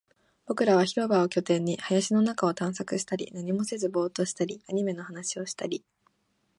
僕らは広場を拠点に、林の中を探索したり、何もせずボーっとしたり、アニメの話をしたり